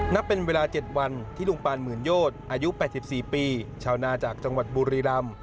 นับเป็นเวลา๗วันที่ลุงปานหมื่นโยชน์อายุ๘๔ปีชาวนาจากจังหวัดบุรีรำ